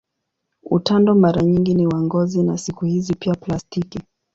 Utando mara nyingi ni wa ngozi na siku hizi pia plastiki.